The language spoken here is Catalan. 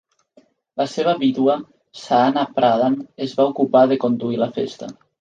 La seva vídua, Sahana Pradhan, es va ocupar de conduir la festa.